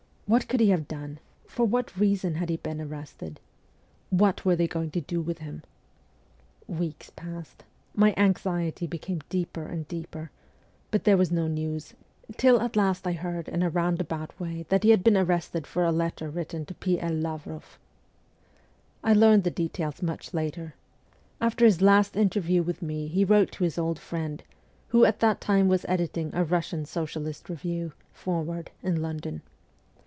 What could he have done ? For what reason had he been arrested ? What were they going to do with him ? Weeks passed ; my anxiety became deeper and deeper ; but there was no news, till at last I heard in a roundabout way that he had been arrested for a letter written to P. L. Lavroff. I learned the details much later. After his last interview with me he wrote to his old friend, who at that time was editing a Russian socialist review, Forward, in London.